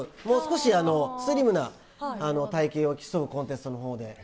もう少しスリムな体形を競うコンテストのほうで。